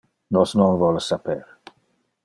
Nos non vole saper.